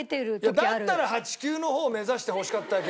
だったら８９の方を目指してほしかった。